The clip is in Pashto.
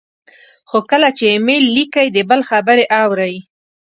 خو کله چې ایمیل لیکئ، د بل خبرې اورئ،